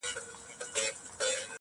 نور مي له سترگو څه خوبونه مړه سول.